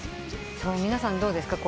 皆さんどうですか？